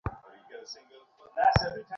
সে যে ছায়ার মতো তাঁহার অনুসরণ করে।